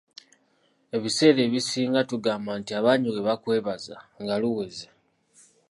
Ebiseera ebisinga tugamba nti abangi bwe bakwebaza nga luweze.